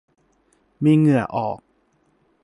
มีเหงื่อออก